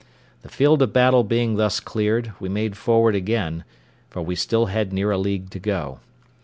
The field of battle being thus cleared, we made forward again, for we had still near a league to go.